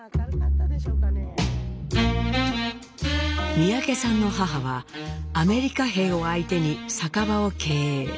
三宅さんの母はアメリカ兵を相手に酒場を経営。